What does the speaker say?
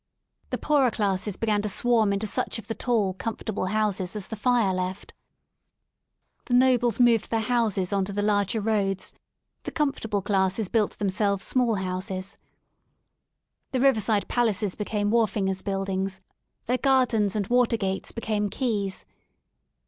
The poorer classes began to swarm into such of the tall, comfortable*' houses as the Fire left, the nobles moved 49 E THE SOUL OF LONDON their houses on to the larger roads, the comfortable classes built themselves small houses. The riverside palaces became wharfingers' buildings, their gardens and water gates became quays.